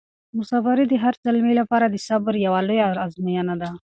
مساپري د هر زلمي لپاره د صبر یوه لویه ازموینه ده.